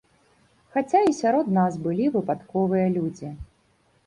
Хаця і сярод нас былі выпадковыя людзі.